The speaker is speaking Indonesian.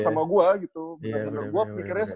sama gue gitu bener bener gue pikirnya